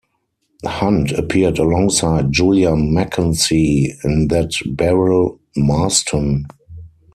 Hunt appeared alongside Julia McKenzie in That Beryl Marston...!